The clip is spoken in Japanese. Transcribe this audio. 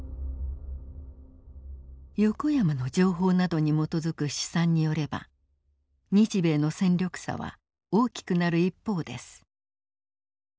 横山の情報などに基づく試算によれば日米の戦力差は大きくなる一方です。